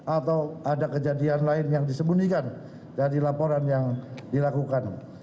atau ada kejadian lain yang disembunyikan dari laporan yang dilakukan